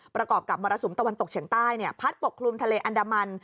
ประกอบกับมรสุมตะวันตกเฉียงใต้พัดปกคลุมทะเลอันดามัน